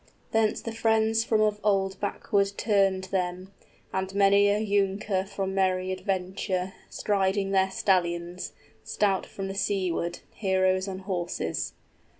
Thence the friends from of old backward turned them, And many a younker from merry adventure, Striding their stallions, stout from the seaward, 20 Heroes on horses.